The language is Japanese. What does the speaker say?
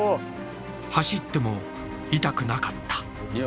走っても痛くなかった。